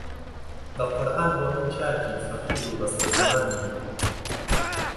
بە قورئان بۆ من چاکی فەقیر و بەستەزمانی